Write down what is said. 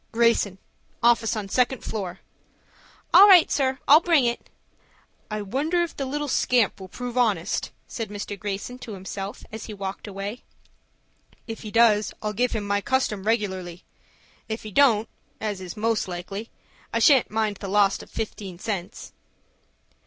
"Greyson,—office on second floor." "All right, sir; I'll bring it." "I wonder whether the little scamp will prove honest," said Mr. Greyson to himself, as he walked away. "If he does, I'll give him my custom regularly. If he don't as is most likely, I shan't mind the loss of fifteen cents."